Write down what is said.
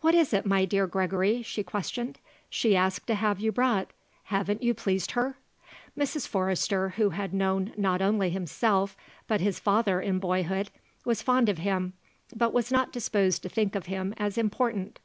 "What is it, my dear Gregory?" she questioned. "She asked to have you brought. Haven't you pleased her?" Mrs. Forrester, who had known not only himself, but his father in boyhood, was fond of him, but was not disposed to think of him as important.